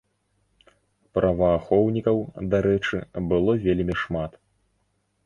Праваахоўнікаў, дарэчы, было вельмі шмат.